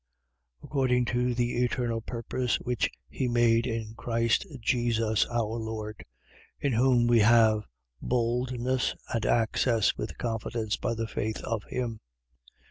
According to the eternal purpose which he made in Christ Jesus our Lord: 3:12. In whom we have boldness and access with confidence by the faith of him.